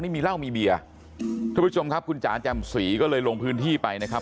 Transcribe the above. นี่มีเหล้ามีเบียร์ทุกผู้ชมครับคุณจ๋าแจ่มสีก็เลยลงพื้นที่ไปนะครับ